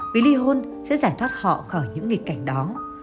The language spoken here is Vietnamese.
vì ly hôn sẽ giải thoát họ khỏi những nghịch cảnh đó